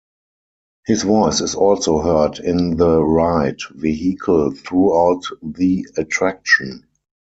His voice is also heard in the ride vehicle throughout the attraction.